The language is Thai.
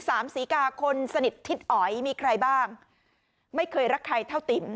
ศรีกาคนสนิททิศอ๋อยมีใครบ้างไม่เคยรักใครเท่าติ๋ม